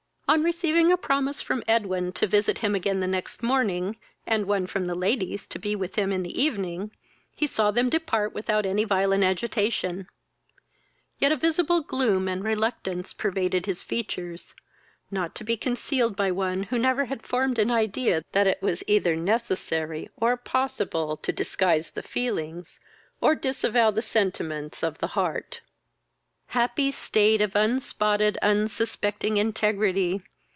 On receiving a promise from Edwin to visit him again the next morning, and one from the ladies to be with him in the evening, he saw them depart without any violent agitation; yet a visible gloom and reluctance pervaded his features, not to be concealed by one who never had formed an idea that it was either necessary or possible to disguise the feelings, or disavow the sentiments of the heart. Happy state of unspotted unsuspecting integrity!